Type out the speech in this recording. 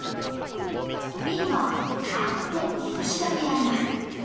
Ｂはさっと少しだけやります。